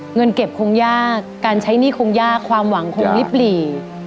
เงินเก็บคงยากการใช้หนี้คงยากความหวังคงลิบหลี